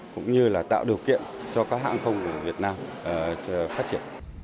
cũng như là tạo điều kiện cho các hãng không của việt nam phát triển